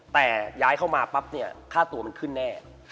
แต่ย้ายเข้ามาปั๊บเนี่ยค่าตัวมันขึ้นแน่